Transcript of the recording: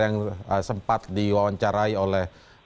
yang sempat diwawancarai oleh